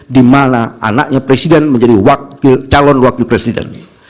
dimana anaknya presiden menjadi calon wakil presiden